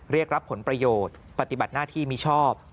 เรียกรับผลประโยชน์ปฏิบัติหน้าที่มีชอบ